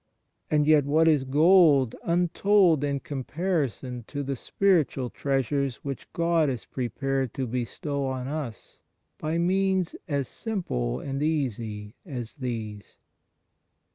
And yet what is gold untold in comparison to the spiritual treasures which God is prepared to bestow on us by means as simple and easy as these